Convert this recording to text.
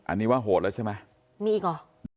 อันนี้ว่าโหดแล้วใช่ไหมมีอีกเหรอ